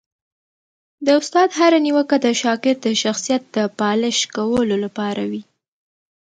د استاد هره نیوکه د شاګرد د شخصیت د پالش کولو لپاره وي.